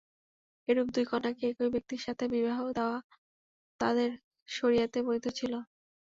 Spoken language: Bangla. এরূপ দুই কন্যাকে একই ব্যক্তির সাথে বিবাহ দেওয়া তাদের শরীআতে বৈধ ছিল।